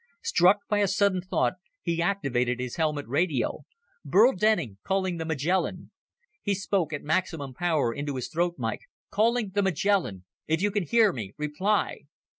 Struck by a sudden thought, he activated his helmet radio. "Burl Denning calling the Magellan! He spoke at maximum power into his throat mike. Calling the Magellan! If you can hear me, reply!"